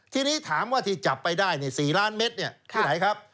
ทีนี้ถามว่าที่จับไปได้๔ล้านเมตรที่ไหนครับ